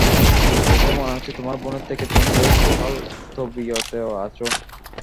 দেখে মনে হচ্ছে তোমার বোনের থেকে তুমি বেশ বহাল তবিয়তেই আছো।